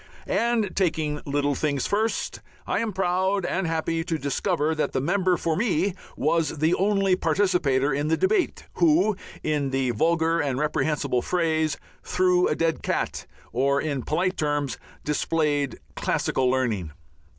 And, taking little things first, I am proud and happy to discover that the member for me was the only participator in the debate who, in the vulgar and reprehensible phrase, "threw a dead cat," or, in polite terms, displayed classical learning.